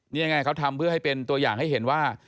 นี่ยังไงเขาทำเพื่อให้เป็นตัวอย่างให้เห็นว่า